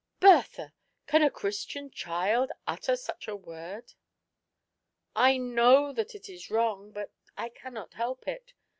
" Bertha^ can a Christian child utter such a word !"" I know that it is wrong, but I cannot help it.